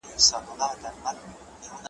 هر شته من او هر ځواکمن ته لاس پر نام وي ,